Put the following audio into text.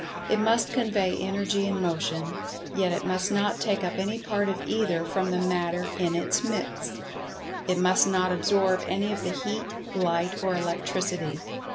It must convey Energy and Motion, yet it must not take up any part of either from the Matter in its midst. It must not absorb any of the Heat, Light or Electricity.